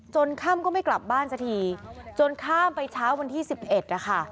ค่ำก็ไม่กลับบ้านสักทีจนข้ามไปเช้าวันที่๑๑นะคะ